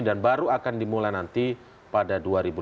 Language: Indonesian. dan baru akan dimulai nanti pada dua ribu delapan belas